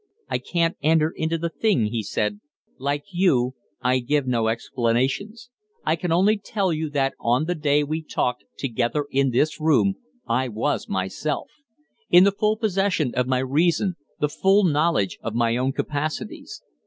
"I can't enter into the thing," he said; "like you, I give no explanations. I can only tell you that on the day we talked together in this room I was myself in the full possession of my reason, the full knowledge of my own capacities.